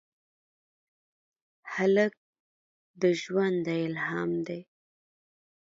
هلک د ژونده الهام دی.